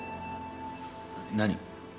何？